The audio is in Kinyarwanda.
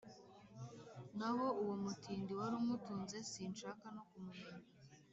naho uwomutindi warumutunze sinshaka nokumumenya"